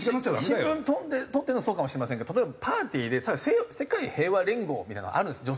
新聞そうかもしれませんけど例えばパーティーで世界平和連合みたいなのがあるんですよ。